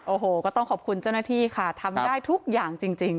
โอ้โหก็ต้องขอบคุณเจ้าหน้าที่ค่ะทำได้ทุกอย่างจริง